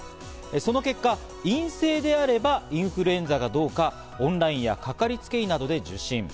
その結果、陰性であればインフルエンザかどうか、オンラインやかかりつけ医などで受診。